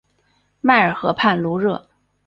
迈尔河畔卢热。